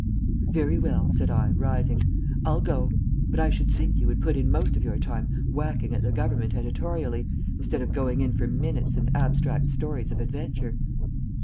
"Very well," said I, rising, "I'll go; but I should think you would put in most of your time whacking at the government editorially, instead of going in for minutes and abstract stories of adventure."